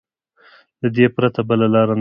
له دې پرته بله لاره نشته.